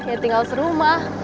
gak tinggal serumah